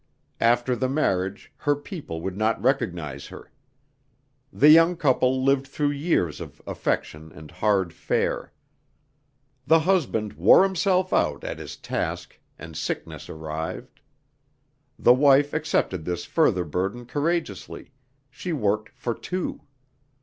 After the marriage her people would not recognize her. The young couple lived through years of affection and hard fare. The husband wore himself out at his task and sickness arrived. The wife accepted this further burden courageously; she worked for two.